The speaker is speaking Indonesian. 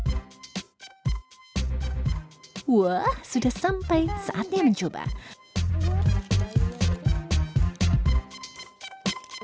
untuk menjaga kroffel tetap nikmat sampai di rumah topping dapat dipisahkan di tempat kecil seperti ini